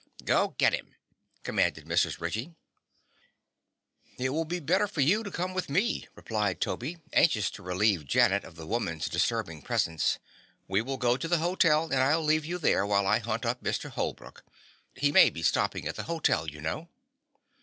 "Go get him," commanded Mrs. Ritchie. "It will be better for you to come with me," replied Toby, anxious to relieve Janet of the woman's disturbing presence. "We will go to the hotel, and I'll leave you there while I hunt up Mr. Holbrook. He may be stopping at the hotel, you know."